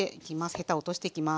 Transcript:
ヘタを落としていきます。